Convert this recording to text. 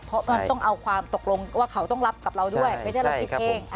เพราะมันต้องเอาความตกลงว่าเขาต้องรับกับเราด้วยไม่ใช่เราคิดเอง